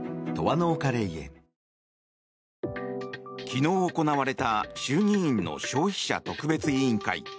昨日行われた衆議院の消費者特別委員会。